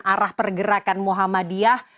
arah pergerakan muhammadiyah